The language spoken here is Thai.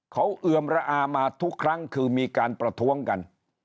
เขาเอือมระอามาทุกครั้งคือมีการประท้วงกัน